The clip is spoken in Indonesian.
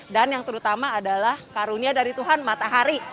dan yang terutama adalah karunia dari tuhan matahari